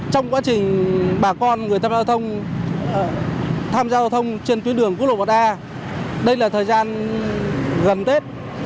trong quá trình bà con người tham gia giao thông trên tuyến đường cốt lộ một a đây là thời gian gần tết